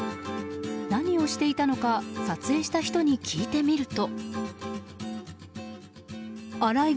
何をしていたのか撮影した人に聞いてみると。